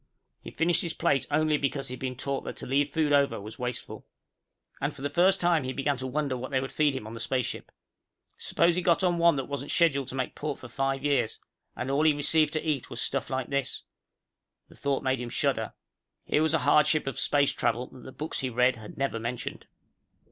He finished his plate only because he had been taught that to leave food over was wasteful. And for the first time he began to wonder what they would feed him on the spaceship. Suppose he got on one that wasn't scheduled to make port for five years and all he received to eat was stuff like this? The thought made him shudder. Here was a hardship of space travel that the books he read had never mentioned.